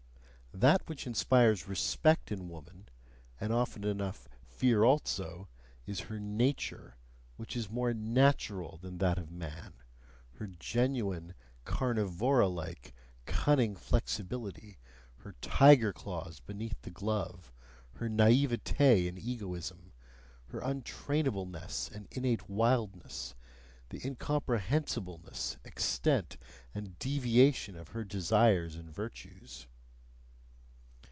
That which inspires respect in woman, and often enough fear also, is her NATURE, which is more "natural" than that of man, her genuine, carnivora like, cunning flexibility, her tiger claws beneath the glove, her NAIVETE in egoism, her untrainableness and innate wildness, the incomprehensibleness, extent, and deviation of her desires and virtues.